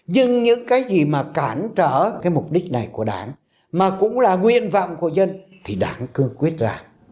nhưng những cái gì mà cản trở cái mục đích này của đảng mà cũng là nguyên vọng của dân thì đảng cứ quyết ra